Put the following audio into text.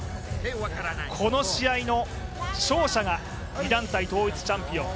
この試合の勝者が２団体統一チャンピオン。